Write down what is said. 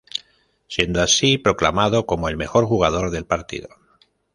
Siendo así, proclamado como el mejor jugador del partido.